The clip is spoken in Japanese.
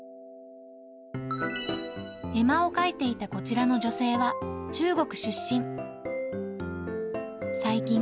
絵馬を書いていたこちらの女性は、中国出身。